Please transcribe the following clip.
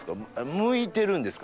向いてるんですか？